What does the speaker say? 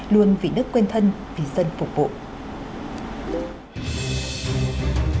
luôn vì đất quen thân vì dân phục vụ